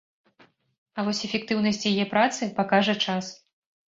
А вось эфектыўнасць яе працы пакажа час.